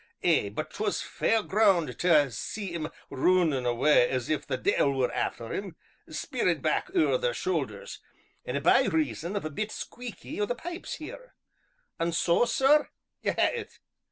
Eh! but 'twas fair graund tae see 'em rinnin' awa' as if the de'il were after them, spierin' back o'er their shoulders, an' a' by reason of a bit squeakie o' the pipes, here. An' so, sir, ye hae it."